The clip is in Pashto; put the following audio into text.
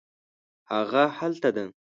هغه هلته ده